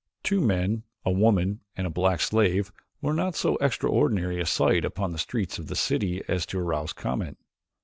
Two men, a woman, and a black slave were not so extraordinary a sight upon the streets of the city as to arouse comment.